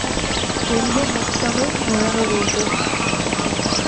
எங்கும் முத்தமிழ் முழங்கவேண்டும்.